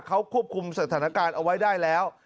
เขาควบคุมสถานการณ์เอาไว้ได้แล้ว